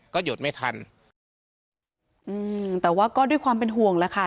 ก็หยุดไม่ทันอืมแต่ว่าก็ด้วยความเป็นห่วงแล้วค่ะ